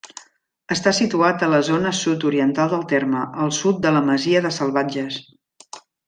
Està situat a la zona sud-oriental del terme, al sud de la masia de Salvatges.